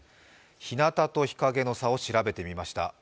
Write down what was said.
ひなたと日陰の温度の差を調べてみました。